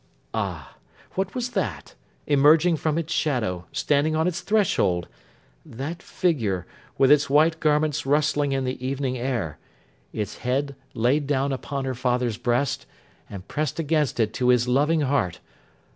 Ah! what was that, emerging from its shadow; standing on its threshold! That figure, with its white garments rustling in the evening air; its head laid down upon her father's breast, and pressed against it to his loving heart!